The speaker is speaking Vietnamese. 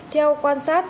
theo quan sát